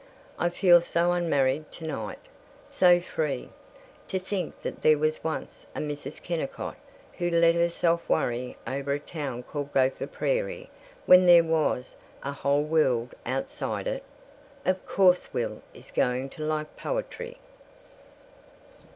I feel so unmarried tonight. So free. To think that there was once a Mrs. Kennicott who let herself worry over a town called Gopher Prairie when there was a whole world outside it! "Of course Will is going to like poetry."